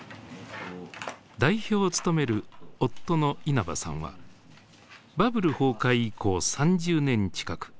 代表を務める夫の稲葉さんはバブル崩壊以降３０年近く